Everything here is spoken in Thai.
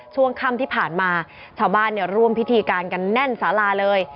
ช่วงค่ำที่ผ่านมาชาวบ้านเนี่ยร่วมพิธีการกันแน่นสาราเลย